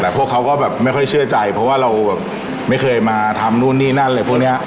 แต่พวกเขาก็แบบไม่ค่อยเชื่อใจเพราะว่าเราแบบไม่เคยมาทำนู่นนี่นั่นอะไรพวกเนี้ย